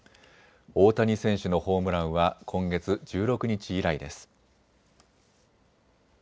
大谷選手のホームランは今月１６日以来です。